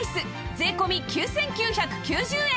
税込９９９０円！